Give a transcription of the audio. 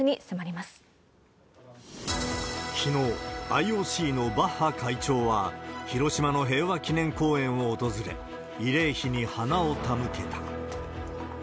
きのう、ＩＯＣのバッハ会長は、広島の平和記念公園を訪れ、慰霊碑に花を手向けた。